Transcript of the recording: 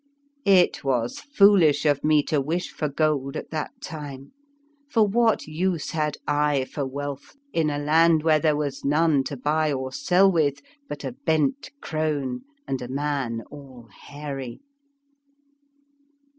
It was foolish of me to wish for gold at that time; for what use had I for wealth in a land where there was none to buy or sell with but a bent crone and a man all hairy?